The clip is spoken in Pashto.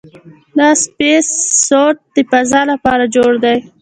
دا سپېس سوټ د فضاء لپاره جوړ دی.